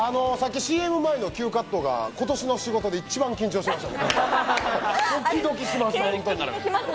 ＣＭ前のＱカットが今年の仕事で一番緊張しました。